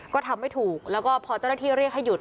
ก็ทำไม่ถูกแล้วก็พอเจ้าหน้าที่เรียกให้หยุด